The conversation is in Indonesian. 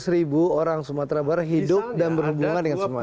tiga ratus ribu orang sumatera berhidup dan berhubungan dengan semen